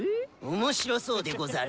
面白そうでござる。